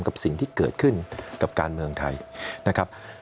กับสิ่งที่เกิดขึ้นกับการเมืองไทยนะครับ